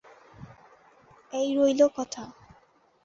এই রইল কথা?